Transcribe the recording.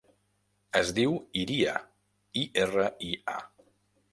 Es diu Iria: i, erra, i, a.